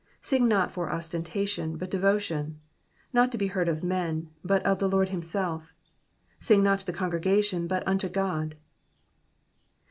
Sing not for ostentation, but devotion ; not to be heard of men, but of the Lord himself. Sing not to the congregation, but unto God."